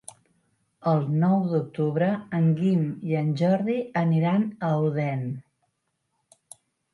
El nou d'octubre en Guim i en Jordi aniran a Odèn.